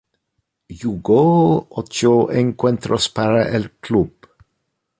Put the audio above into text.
Jugó ocho encuentros para el club.